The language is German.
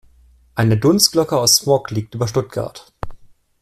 Eine Dunstglocke aus Smog liegt über Stuttgart.